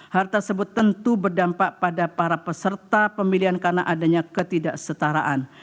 hal tersebut tentu berdampak pada para peserta pemilihan karena adanya ketidaksetaraan